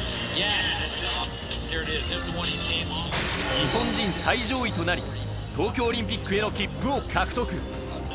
日本人最上位となり東京オリンピックへの切符を獲得。